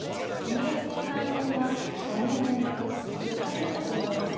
ＮＨＫ杯戦は５年連続１０回目の出場です。